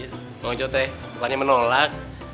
bang wajo teh bukannya menolak